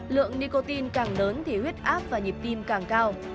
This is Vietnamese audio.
lượng nicotin càng lớn thì huyết áp và nhịp tim càng cao